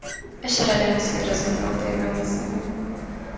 Až Rada musí rozhodnout jednomyslně.